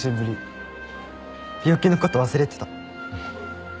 病気の事忘れてた。